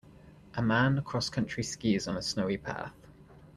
A man crosscountry skis on a snowy path.